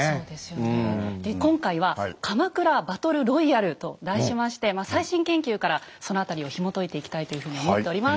で今回は「鎌倉バトルロイヤル」と題しまして最新研究からその辺りをひもといていきたいというふうに思っております。